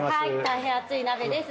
大変熱い鍋です。